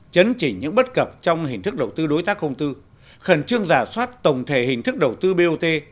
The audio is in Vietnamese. chấn chỉnh những bất cập trong hình thức đầu tư đối tác công tư khẩn trương giả soát tổng thể hình thức đầu tư bot